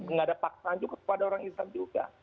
nggak ada paksaan juga kepada orang islam juga